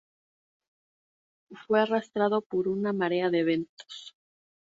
Fue arrastrado por una marea de eventos.